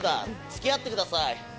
つきあってください。